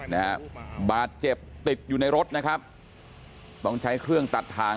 นะฮะบาดเจ็บติดอยู่ในรถนะครับต้องใช้เครื่องตัดทาง